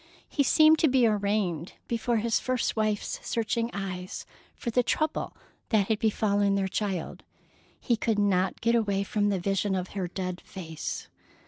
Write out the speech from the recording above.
He seemed to be arraigned before his first wife's searching eyes, for the trouble that had befallen their child. He could not get away from the vision of her dead face.